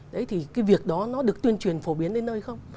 đấy thì cái việc đó nó được tuyên truyền phổ biến đến nơi không